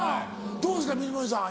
どうですか水森さん